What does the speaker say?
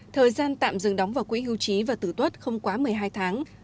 thời gian tạm dừng đóng vào quỹ hưu trí và tử tuất không quá một mươi hai tháng